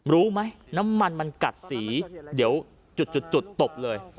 รู้ไหมน้ำมันมันกัดสีเดี๋ยวจุดตบเลย